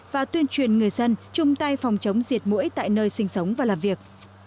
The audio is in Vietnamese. và tuyên truyền người dân chung tay phòng chống diệt mũi tại nơi sinh sống và làm việc